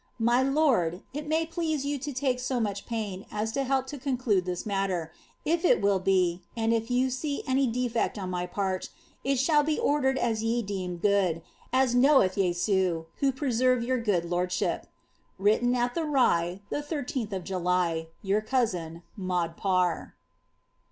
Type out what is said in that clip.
My lord, it might please yoa IS take so mjpch pain as to help to conclude this matter, if it will be, and if jw see any defect on my part, it shall be ordered as ye deem good, as knowiih Jesu, who preserve your good lordship. •« Written at the Rye, the 13 day of July. Your cousin, Maud Pabb.